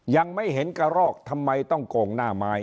ยังไม่เห็นกระรอกทำไมต้องโกงหน้าไม้